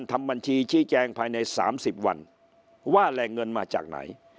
ทำบัญชีชี้แจงภายใน๓๐วันว่าแหล่งเงินมาจากไหน